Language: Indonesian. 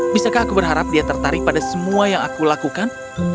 bisakah aku berharap dia tertarik pada semua yang aku lakukan